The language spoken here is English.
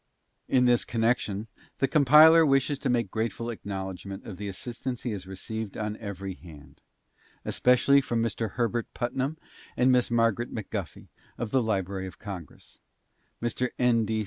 In this connection, the compiler wishes to make grateful acknowledgment of the assistance he has received on every hand, especially from Mr. Herbert Putnam and Miss Margaret McGuffey, of the Library of Congress; Mr. N.